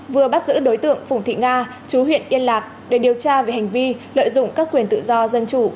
vừa bắt giữ đối tượng phùng thị nga chú huyện yên lạc để điều tra về hành vi lợi dụng các quyền tự do dân chủ